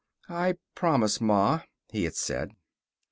"I promise, Ma," he had said.